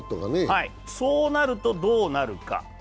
そうなるとどうなるか。